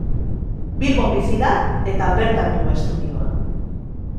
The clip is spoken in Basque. Bilbon bizi da eta bertan du estudioa.